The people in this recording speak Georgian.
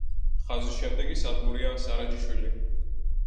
ხაზის შემდეგი სადგურია სარაჯიშვილი.